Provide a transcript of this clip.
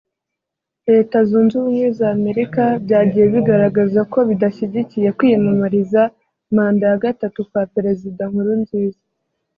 Leta Zunze Ubumwe za Amerika byagiye bigaragaza ko bidashyigikiye kwiyamamariza manda ya gatatu kwa Perezida Nkurunziza